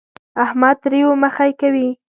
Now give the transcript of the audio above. احمد تريو مخی کوي.